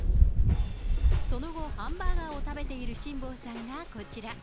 その後、ハンバーガーを食べている辛坊さんがこちら。